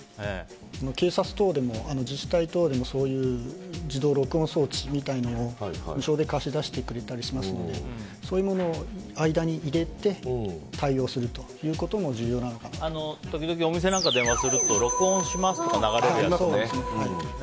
警察等でも自治体等でも自動録音装置みたいなのを無償で貸し出してくれたりしますのでそういうものを間に入れて対応することもときどきお店なんかに電話すると録音しますとか流れるやつありますよね。